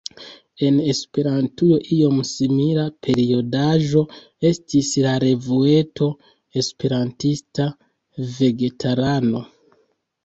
En Esperantujo iom simila periodaĵo estis la revueto Esperantista Vegetarano.